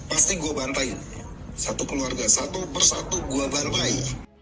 pasti gua bantai satu keluarga satu persatu gua bantai